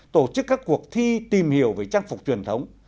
tổ chức các cuộc thi tìm hiểu về trang phục truyền thống